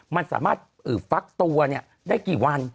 มันสามารถฟักตัวได้กี่วัน